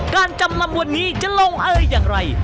การจำนำวันนี้จะลงเอออย่างไร